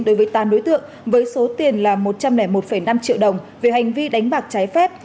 đối với tám đối tượng với số tiền là một trăm linh một năm triệu đồng về hành vi đánh bạc trái phép